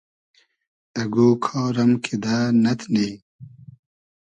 اگۉ کار ام کیدہ نئتنی